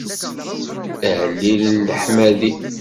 Ahellil n leḥmadi.